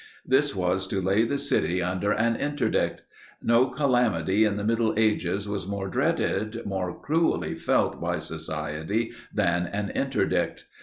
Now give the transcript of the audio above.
This was to lay the city under an interdict. No calamity in the middle ages was more dreaded, more cruelly felt by society, than an interdict.